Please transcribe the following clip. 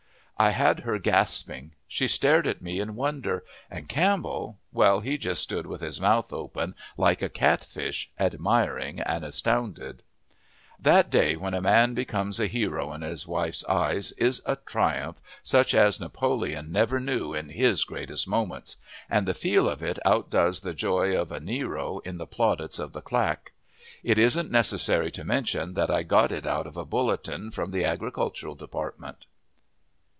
I had her gasping. She stared at me in wonder, and Campbell well, he just stood with his mouth open like a catfish, admiring and astounded. That day when a man becomes a hero in his wife's eyes is a triumph such as Napoleon never knew in his greatest moments, and the feel of it outdoes the joy of a Nero in the plaudits of the claque. It isn't necessary to mention that I got it out of a bulletin from the agricultural department.